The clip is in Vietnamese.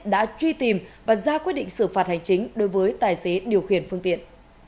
đã truy tìm và ra quyết định xử phạt hành chính đối với tài xế điều khiển phương tiện